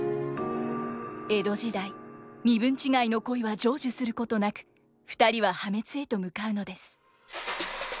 江戸時代身分違いの恋は成就することなく２人は破滅へと向かうのです。